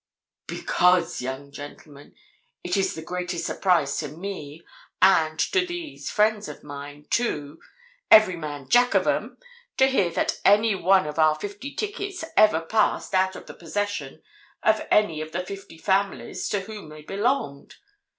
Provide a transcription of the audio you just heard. Because, young gentleman, it is the greatest surprise to me, and to these friends of mine, too, every man jack of 'em, to hear that any one of our fifty tickets ever passed out of the possession of any of the fifty families to whom they belonged!